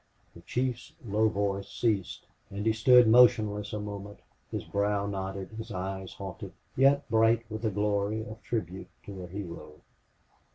The chief's low voice ceased, and he stood motionless a moment, his brow knotted, his eyes haunted, yet bright with a glory of tribute to a hero.